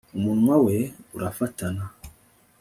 umunwa we urafatana